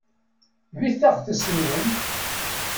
Get taɣtest-nwen.